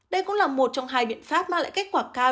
đây cũng là một trong hai biện pháp mang lại kết quả cao